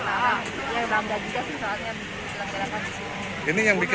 di mertawa yang lamba juga sih soalnya di selang selangkan